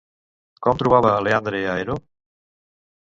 Com trobava, Leandre, a Hero?